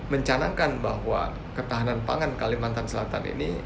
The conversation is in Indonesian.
mencanangkan bahwa ketahanan pangan kalimantan selatan ini